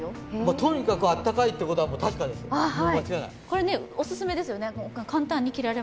とにかくあったかいということは確かです、間違いない。